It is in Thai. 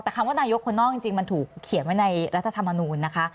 แต่คำว่านายกคนนอกจริงมันถูกเขียนไว้ในรัฐธรรมนูลนะคะ